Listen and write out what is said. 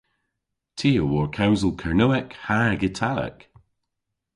Ty a wor kewsel Kernewek hag Italek.